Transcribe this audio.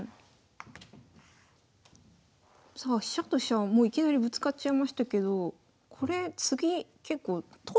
さあ飛車と飛車はもういきなりぶつかっちゃいましたけどこれ次結構取るかどうかって感じですか？